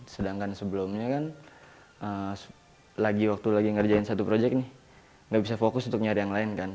sedangkan sebelumnya kan lagi waktu lagi ngerjain satu project nih nggak bisa fokus untuk nyari yang lain kan